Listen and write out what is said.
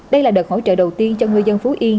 đây là đợt hỗ trợ đầu tiên cho người dân phú yên